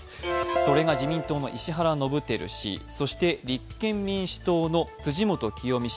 それが自民党の石原伸晃氏、そして立憲民主党の辻元清美氏。